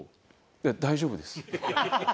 いや大丈夫です。